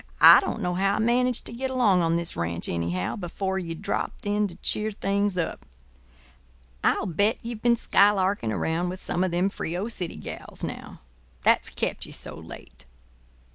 I don't know how I managed to get along on this ranch, anyhow, before ye dropped in to cheer things up. I'll bet ye've been skylarking around with some of them Frio City gals, now, that's kept ye so late."